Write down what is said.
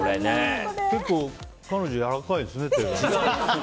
結構彼女やわらかいですね、手。